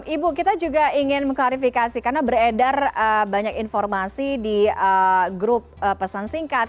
ibu kita juga ingin mengklarifikasi karena beredar banyak informasi di grup pesan singkat